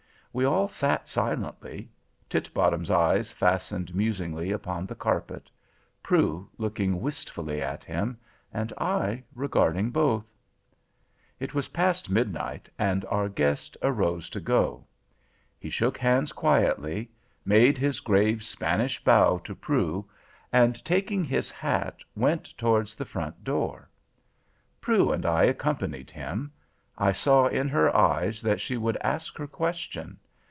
We all sat silently; Titbottom's eyes fastened musingly upon the carpet: Prue looking wistfully at him, and I regarding both. It was past midnight, and our guest arose to go. He shook hands quietly, made his grave Spanish bow to Prue, and taking his hat, went towards the front door. Prue and I accompanied him. I saw in her eyes that she would ask her question.